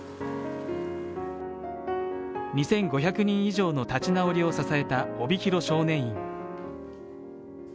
２５００人以上の立ち直りを支えた帯広少年院。